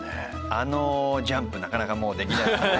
あのジャンプなかなかもうできないですね。